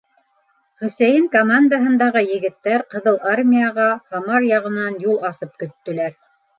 Хөсәйен командаһындағы егеттәр Ҡыҙыл Армияға Һамар яғынан юл асып көттөләр.